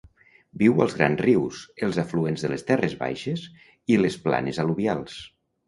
Viu als grans rius, els afluents de les terres baixes i les planes al·luvials.